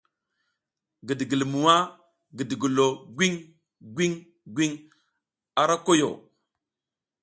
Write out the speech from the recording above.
Gidigilmwa gidigilo gwiŋ gwiŋ gwiŋ a ra koyo.